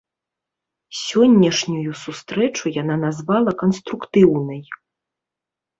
Сённяшнюю сустрэчу яна назвала канструктыўнай.